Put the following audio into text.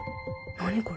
何これ。